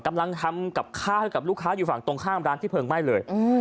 กำลังทำกับข้าวให้กับลูกค้าอยู่ฝั่งตรงข้ามร้านที่เพลิงไหม้เลย